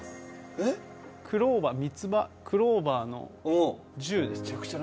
クローバー、みつば、クローバーの１０ですね。